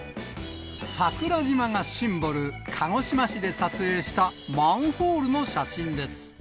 桜島がシンボル、鹿児島市で撮影したマンホールの写真です。